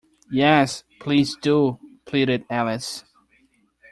‘Yes, please do!’ pleaded Alice.